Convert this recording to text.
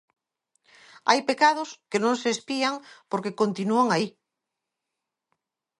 Hai pecados que non se espían porque continúan aí.